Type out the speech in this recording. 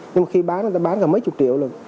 nhưng mà khi bán người ta bán là mấy chục triệu lần